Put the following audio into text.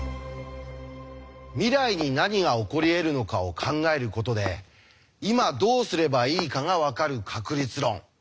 未来に何が起こりえるのかを考えることで今どうすればいいかが分かる確率論。